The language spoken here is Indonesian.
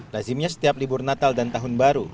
lazimnya setiap libur natal dan tahun baru